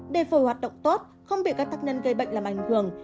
đề phổi hoạt động tốt không bị các tác nhân gây bệnh làm ảnh hưởng